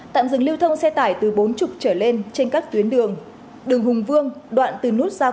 tạm dừng lưu thông xe tải từ bốn mươi trở lên trên các tuyến đường đường hùng vương đoạn từ nút giao